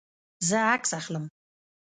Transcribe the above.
زه عکس اخلم